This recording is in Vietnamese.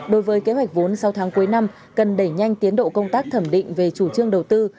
đối với kế hoạch vốn sau tháng cuối năm cần đẩy nhanh tiến độ công tác thẩm định về chủ trương đầu tư